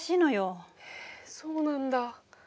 えそうなんだ。